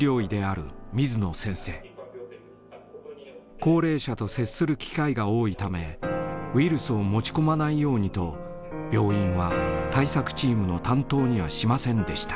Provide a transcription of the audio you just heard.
高齢者と接する機会が多いためウイルスを持ち込まないようにと病院は対策チームの担当にはしませんでした。